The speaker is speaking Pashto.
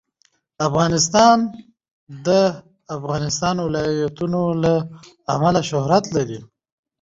افغانستان د د افغانستان ولايتونه له امله شهرت لري.